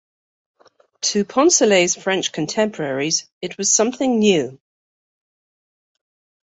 To Poncelet's French contemporaries, it was something new.